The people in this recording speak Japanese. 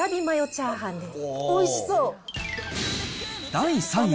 第３位。